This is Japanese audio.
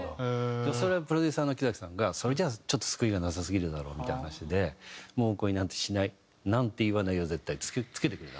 でもそれでプロデューサーの木崎さんがそれじゃちょっと救いがなさすぎるだろうみたいな話で「もう恋なんてしないなんて言わないよ絶対」って付けてくれた。